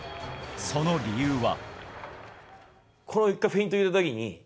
その理由は。